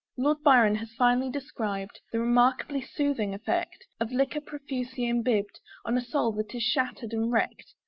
Lord Byron has finely described The remarkably soothing effect Of liquor, profusely imbibed, On a soul that is shattered and wrecked.